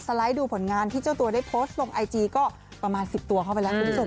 ไลด์ดูผลงานที่เจ้าตัวได้โพสต์ลงไอจีก็ประมาณ๑๐ตัวเข้าไปแล้วคุณผู้ชม